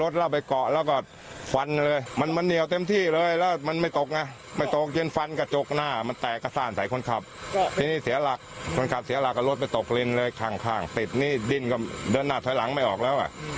เดินหน้าถอยหลังไม่ออกแล้วอ่ะ